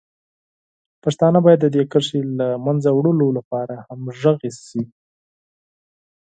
پښتانه باید د دې کرښې د له منځه وړلو لپاره همغږي شي.